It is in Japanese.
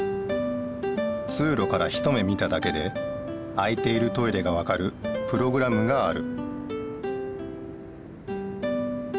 つうろから一目見ただけで空いているトイレがわかるプログラムがある。